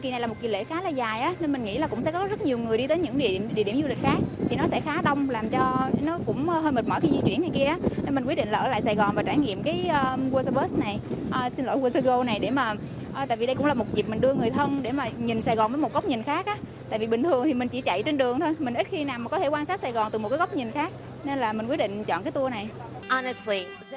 nhìn sài gòn với một góc nhìn khác tại vì bình thường thì mình chỉ chạy trên đường thôi mình ít khi nào mà có thể quan sát sài gòn từ một góc nhìn khác nên là mình quyết định chọn cái tour này